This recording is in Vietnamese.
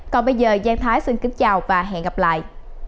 còn bây giờ giang thái xin kính chào và hẹn gặp lại